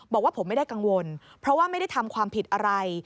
บอกว่าผมไม่ได้กังวลเพราะว่าไม่ได้ทำความผิดอะไร